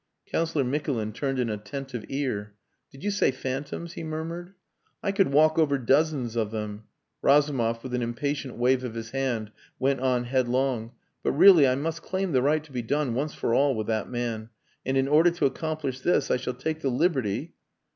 Councillor Mikulin turned an attentive ear. "Did you say phantoms?" he murmured. "I could walk over dozens of them." Razumov, with an impatient wave of his hand, went on headlong, "But, really, I must claim the right to be done once for all with that man. And in order to accomplish this I shall take the liberty...."